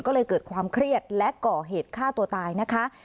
ก็เลยเกิดความเครียดและก่อเหตุฆ่าตัวตายนะคะ